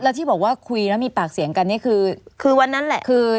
แล้วที่บอกว่าคุยแล้วมีปากเสียงกันนี่คือคือวันนั้นแหละคือ